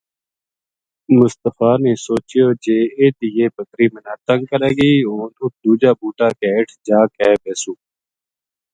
مصطفی نے سوچیو جے اِت یہ بکری مَنا تنگ کرے گی ہوں اُت دُوجا بُوٹا کے ہیٹھ جا کے بیسوں